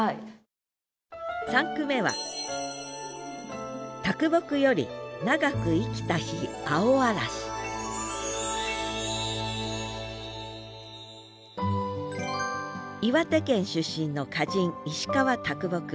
３句目は岩手県出身の歌人石川啄木。